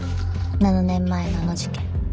７年前のあの事件。